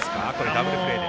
ダブルプレーで。